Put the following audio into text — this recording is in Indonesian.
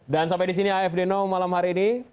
dan sampai di sini afd now malam hari ini